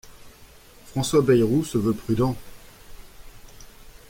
François Bayrou se veut prudent.